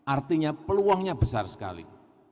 artinya peluangnya besar sekali